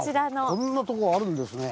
こんなとこあるんですね。